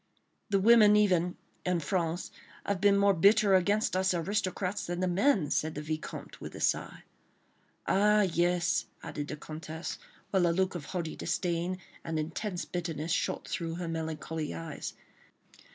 "The women even, in France, have been more bitter against us aristocrats than the men," said the Vicomte, with a sigh. "Ah, yes," added the Comtesse, whilst a look of haughty disdain and intense bitterness shot through her melancholy eyes.